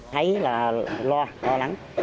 thấy là lo lo lắng